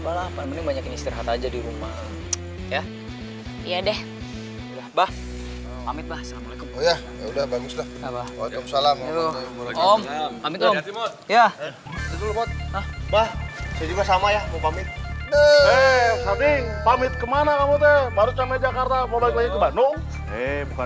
balapan banyak istirahat aja di rumah ya ya deh bahwa mitbah sama ya udah baguslah